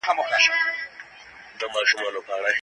پروتین لرونکي خواړه د خېټې غوړ کموي.